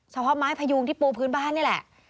เฉพาะไม้พยุงที่ปูพื้นบ้านนี่แหละ